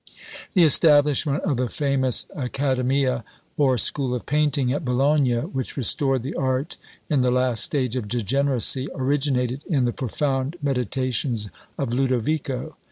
The establishment of the famous accademia, or school of painting, at Bologna, which restored the art in the last stage of degeneracy, originated in the profound meditations of Lodovico.